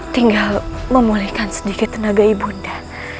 tinggal memulihkan sedikit tenaga ibu nda